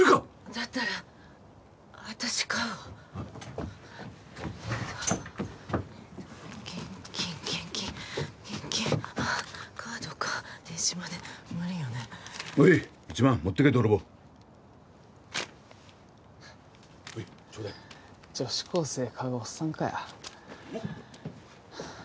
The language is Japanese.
だったら私買うわえーと現金現金現金あっカードか電子マネー無理よねおい１万持ってけドロボーはいちょうだい女子高生買うオッサンかよ